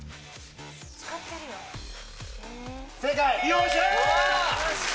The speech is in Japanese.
よっしゃ！